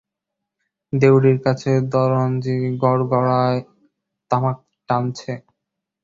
দেউড়ির কাছে দরোয়ানজি গড়গড়ায় তামাক টানছে।